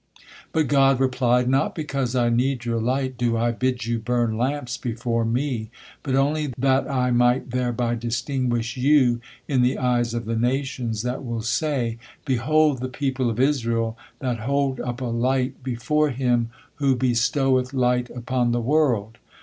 But God replied: "Not because I need your light do I bid you burn lamps before Me, but only the I might thereby distinguish you in the eyes of the nations that will say, 'Behold the people of Israel, that hold up a light before Him who bestoweth light upon the world.'